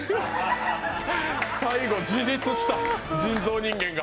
最後自立した、人造人間が。